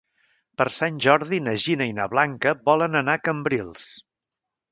Per Sant Jordi na Gina i na Blanca volen anar a Cambrils.